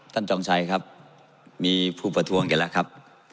จองชัยครับมีผู้ประท้วงกันแล้วครับ